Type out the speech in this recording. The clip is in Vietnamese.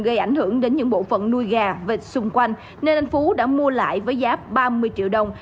gây ảnh hưởng đến những bộ phận nuôi gà vịt xung quanh nên anh phú đã mua lại với giá ba mươi triệu đồng